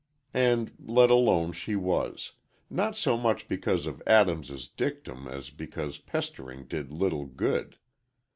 And let alone she was—not so much because of Adams' dictum as because "pestering" did little good.